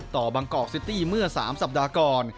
บางกอกซิตี้เมื่อ๓สัปดาห์ก่อน